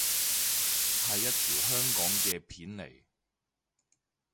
係一條香港嘅片嚟